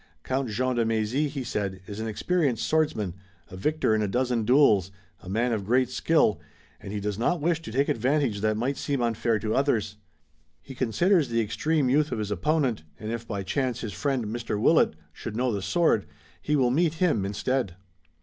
"Count Jean de Mézy," he said, "is an experienced swordsman, a victor in a dozen duels, a man of great skill, and he does not wish to take an advantage that might seem unfair to others. He considers the extreme youth of his opponent, and if by chance his friend, Mr. Willet, should know the sword, he will meet him instead."